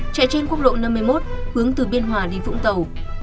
chạy trên quốc lộ năm mươi một hướng từ biên hòa đi vũng tàu